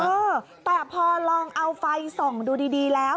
เออแต่พอลองเอาไฟส่องดูดีแล้ว